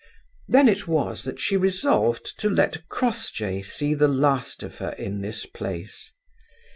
Then it was that she resolved to let Crossjay see the last of her in this place.